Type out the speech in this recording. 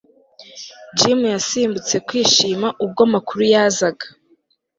Jim yasimbutse kwishima ubwo amakuru yazaga